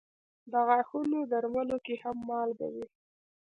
د غاښونو درملو کې هم مالګه وي.